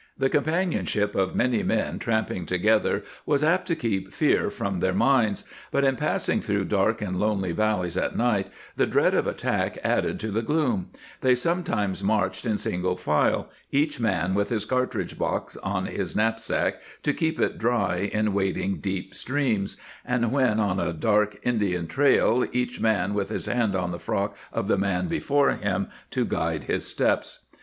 The companionship of many men tramping together was apt to keep fear from their minds ; but in passing through dark and lonely valleys at night the dread of attack added to the gloom ; they sometimes marched in single file, each man with his cartridge box on his knapsack to keep it dry in wading deep streams, and when on a dark Indian trail each man with his hand on the frock of the man before him to guide his steps.